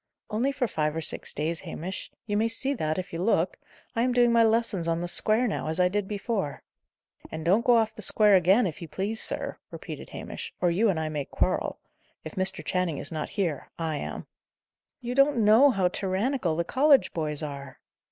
"Only for five or six days, Hamish. You may see that, if you look. I am doing my lessons on the square, now, as I did before." "And don't go off the square again, if you please, sir," repeated Hamish, "or you and I may quarrel. If Mr. Channing is not here, I am." "You don't know how tyrannical the college boys are."